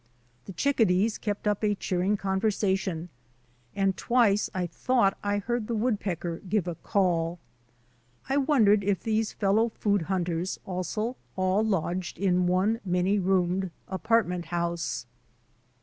The chickadees kept up a cheering conversation and twice I thought I heard WINTER MOUNTAINEERING 57 the woodpecker give a call. I wondered if these fellow food hunters also all lodged in one many roomed apartment house.